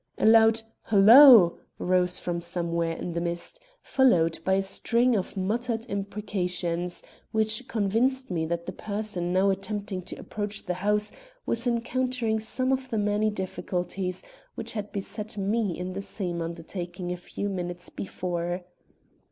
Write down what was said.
A loud "Halloo" rose from somewhere in the mist, followed by a string of muttered imprecations, which convinced me that the person now attempting to approach the house was encountering some of the many difficulties which had beset me in the same undertaking a few minutes before.